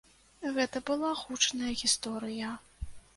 Гэта была гучная гісторыя.